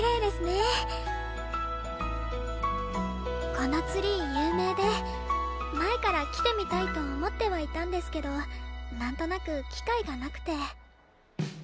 このツリー有名で前から来てみたいと思ってはいたんですけどなんとなく機会がなくて。